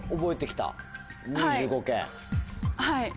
はい。